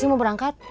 isi mau berangkat